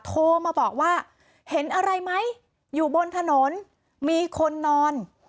โทรมาบอกว่าเห็นอะไรไหมอยู่บนถนนมีคนนอน